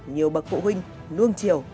nhiều bậc phụ huynh nuông chiều